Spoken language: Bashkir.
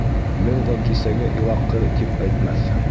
Бер ҙә кисәге илаҡ ҡыҙ тип әйтмәҫһең.